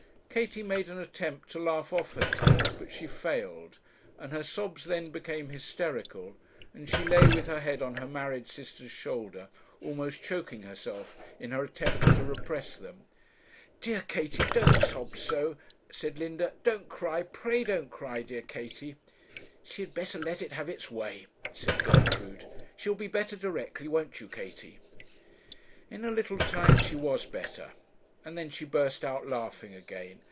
Katie made an attempt to laugh off her tears, but she failed, and her sobs then became hysterical, and she lay with her head on her married sister's shoulder, almost choking herself in her attempts to repress them. 'Dear Katie, don't sob so,' said Linda 'don't cry, pray don't cry, dear Katie.' 'She had better let it have its way,' said Gertrude; 'she will be better directly, won't you, Katie?' In a little time she was better, and then she burst out laughing again.